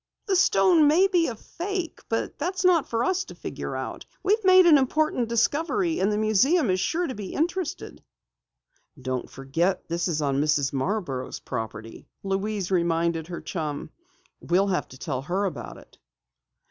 "The stone may be a fake, but that's not for us to try to figure out. We've made an important discovery and the museum is sure to be interested!" "Don't forget that this is on Mrs. Marborough's property," Louise reminded her chum. "We'll have to tell her about it."